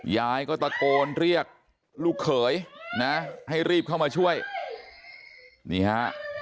ยายก็ตะโกนเรียกลูกเขยนะให้รีบเข้ามาช่วยนี่ฮะ